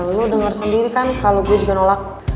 lo denger sendiri kan kalo gue juga nolak